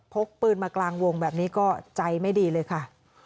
กปืนมากลางวงแบบนี้ก็ใจไม่ดีเลยค่ะ